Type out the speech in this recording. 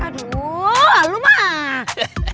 aduh lalu mah